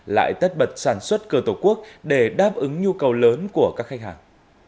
lại tất bật sản xuất cờ tổ quốc để đáp ứng nhu cầu lớn của các khách hàng